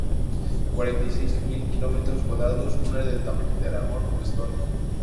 Cuarenta y seis mil kilómetros cuadrados, un área del tamaño de Aragón o Estonia.